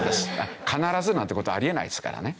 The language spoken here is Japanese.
必ずなんて事はあり得ないですからね。